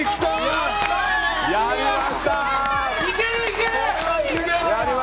やりました！